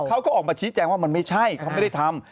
เขาก็ออกมาชี้แจงว่ามันไม่ใช่เขาไม่ได้ทำ